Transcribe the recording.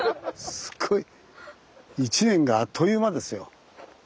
すごい。一年があっという間ですよ。